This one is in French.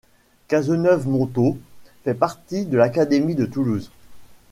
Cazeneuve-Montaut fait partie de l'académie de Toulouse.